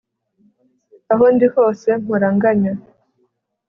aho ndi hose mpora nganya